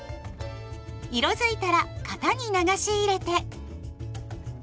色づいたら型に流し入れて。